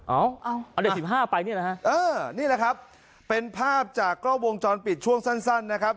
เอาเด็ก๑๕ไปนี่แหละครับเป็นภาพจากกล้อวงจรปิดช่วงสั้นนะครับ